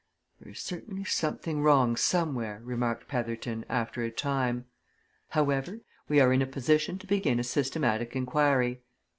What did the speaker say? "There is certainly something wrong, somewhere," remarked Petherton, after a time. "However, we are in a position to begin a systematic inquiry.